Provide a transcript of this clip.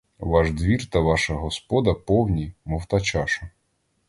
Ваш двір та ваша господа повні, мов та чаша.